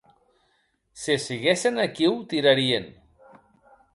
Se siguessen aquiu, tirarien.